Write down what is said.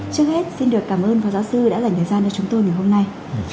trước hết xin được cảm ơn phó giáo sư đã dành thời gian cho chúng tôi ngày hôm nay